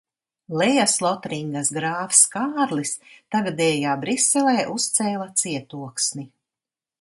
Lejaslotringas grāfs Kārlis tagadējā Briselē uzcēla cietoksni.